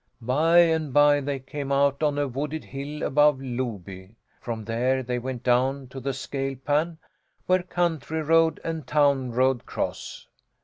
By and by they came out on a wooded hill above Loby. From there they went down to the scale pan, where country road and town road cross.